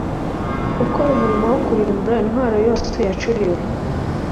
ukora umurimo wo kurimbura intwaro yose yacuriwe